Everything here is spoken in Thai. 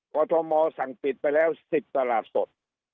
กรทมสั่งปิดไปแล้ว๑๐ตลาดสด